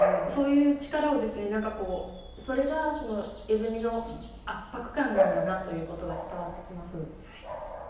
そういう力をですね何かこうそれが絵踏の圧迫感なんだなということが伝わってきます。